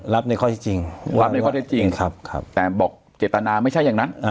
รับในข้อเท็จจริงแต่บอกเจตนาไม่ใช่อย่างนั้น